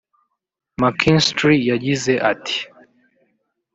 Mckinstry yagize ati